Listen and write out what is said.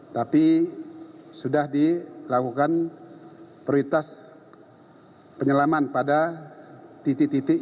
tapi sudah dilakukan prioritas penyelaman pada titik titik